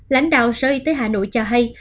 lãnh đạo sở y tế hà nội cho hay